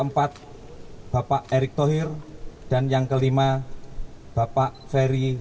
esmen rue ini dan ini selet muss beladi baru